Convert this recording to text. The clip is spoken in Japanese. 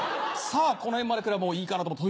さぁこの辺まで来ればもういいかなと。